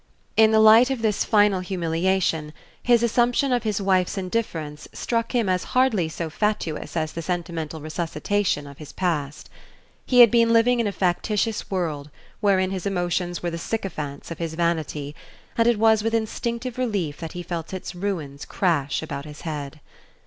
In the light of this final humiliation his assumption of his wife's indifference struck him as hardly so fatuous as the sentimental resuscitation of his past. He had been living in a factitious world wherein his emotions were the sycophants of his vanity, and it was with instinctive relief that he felt its ruins crash about his head.